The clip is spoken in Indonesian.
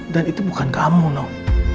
dan itu bukan kamu noh